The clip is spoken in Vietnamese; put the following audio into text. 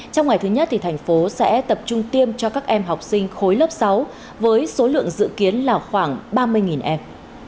trong ngày thứ nhất thành phố sẽ tập trung tiêm cho các em học sinh khối lớp sáu với số lượng dự kiến là khoảng ba mươi em